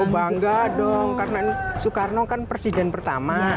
bangga dong karena soekarno kan presiden pertama